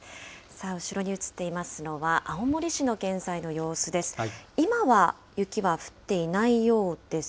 後ろに映っていますのは青森市の現在の様子です。